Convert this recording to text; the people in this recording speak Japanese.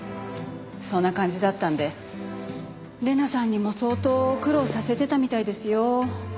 そんな感じだったんで玲奈さんにも相当苦労させてたみたいですよ。